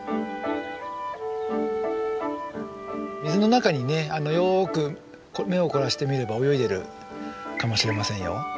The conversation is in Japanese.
水の中にねよく目を凝らして見れば泳いでるかもしれませんよ。